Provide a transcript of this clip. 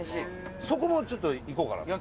そこも、ちょっと行こうかなと。